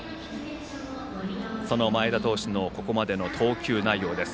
その前田投手のここまでの投球内容です。